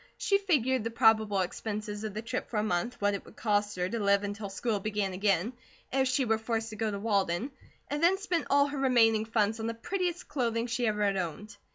She figured the probable expenses of the trip for a month, what it would cost her to live until school began again, if she were forced to go to Walden, and then spent all her remaining funds on the prettiest clothing she had ever owned.